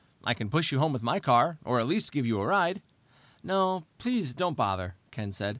"I can push you home with my car, or at least give you a ride." "No, please don't bother," Ken said.